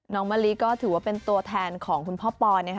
น้องมะลีก็ถือว่าเป็นตัวแทนของคุณพ่อปอย